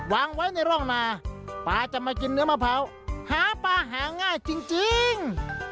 วางไว้ในร่องนาปลาจะมากินเนื้อมะพร้าวหาปลาหาง่ายจริง